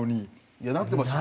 いやなってました。